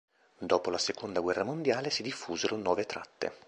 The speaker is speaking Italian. Dopo la seconda guerra mondiale si diffusero nuove tratte.